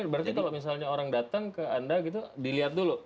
berarti kalau misalnya orang datang ke anda gitu dilihat dulu